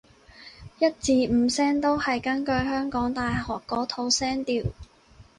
一至五聲都係根據香港大學嗰套聲調